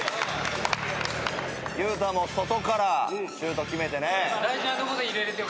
ゆうたも外からシュート決めてね。